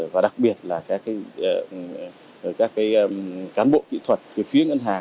và đặc biệt là các cái cán bộ kỹ thuật phía ngân hàng